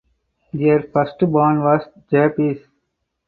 Their firstborn was Jabez.